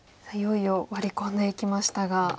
さあいよいよワリ込んでいきましたが。